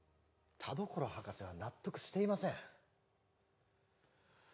田所博士は納得していません